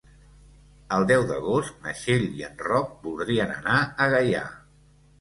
El deu d'agost na Txell i en Roc voldrien anar a Gaià.